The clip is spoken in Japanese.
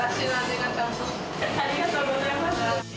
がちゃありがとうございます。